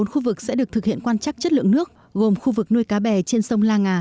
bốn khu vực sẽ được thực hiện quan chắc chất lượng nước gồm khu vực nuôi cá bè trên sông la ngà